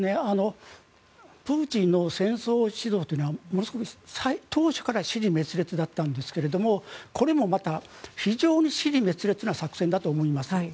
プーチンの戦争指導というのはものすごく当初から支離滅裂だったんですがこれもまた、非常に支離滅裂な作戦だと思います。